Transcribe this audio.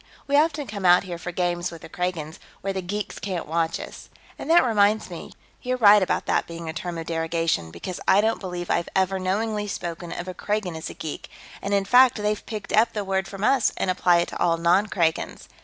We often come out here for games with the Kragans, where the geeks can't watch us. And that reminds me you're right about that being a term of derogation, because I don't believe I've ever knowingly spoken of a Kragan as a geek, and in fact they've picked up the word from us and apply it to all non Kragans.